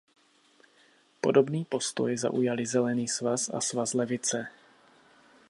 Podobný postoj zaujaly Zelený svaz a Svaz levice.